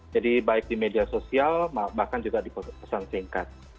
jadi baik di media sosial bahkan juga di pesan singkat